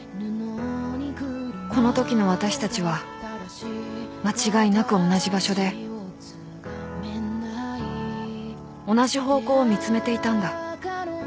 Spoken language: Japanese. ［このときの私たちは間違いなく同じ場所で同じ方向を見つめていたんだ］